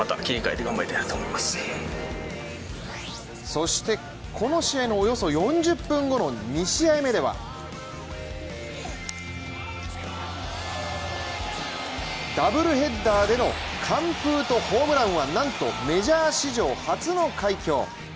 そしてこの試合のおよそ４０分後の２試合目出はダブルヘッダーでの完封とホームランはなんとメジャー史上初の快挙。